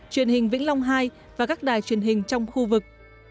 truyền hình vĩnh long hai và các đài truyền hình trong khu vực